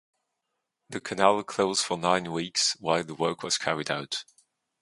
The canal closed for nine weeks while the work was carried out.